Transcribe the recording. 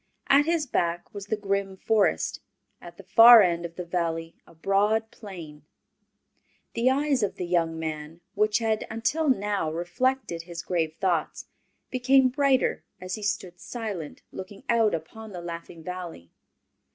At his back was the grim Forest; at the far end of the valley a broad plain. The eyes of the young man, which had until now reflected his grave thoughts, became brighter as he stood silent, looking out upon the Laughing Valley.